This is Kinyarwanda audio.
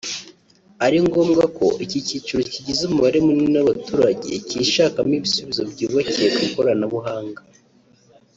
ari ngombwa ko iki cyiciro kigize umubare munini w’abaturage kishakamo ibisubizo byubakiye ku ikoranabuhanga